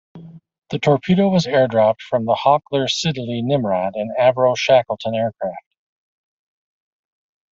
The torpedo was air dropped from the Hawker-Siddeley Nimrod and Avro Shackleton aircraft.